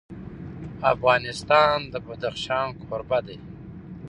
افغانستان د بدخشان کوربه دی.